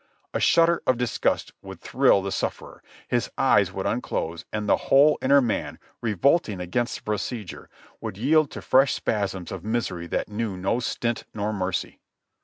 A shudder of disgust would thrill the sufferer, his eyes would unclose, and the whole inner man, revolting against the procedure, would yield to fresh spasms of misery that knew no stint nor mercy.